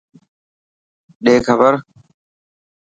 ڏي کبر.